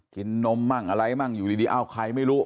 นมมั่งอะไรมั่งอยู่ดีเอ้าใครไม่รู้